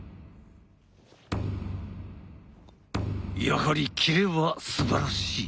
やはりキレはすばらしい。